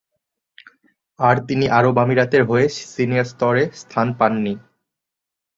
আর তিনি আরব আমিরাতের হয়ে সিনিয়র স্তরে স্থান পাননি।